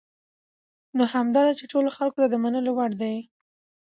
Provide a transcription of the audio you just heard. نو همدا ده چې ټولو خلکو ته د منلو وړ دي .